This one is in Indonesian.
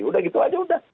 sudah gitu saja sudah